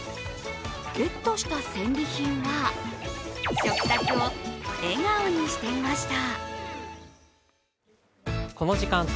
ゲットした戦利品は食卓を笑顔にしていました。